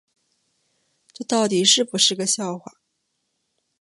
这到底是不是个笑话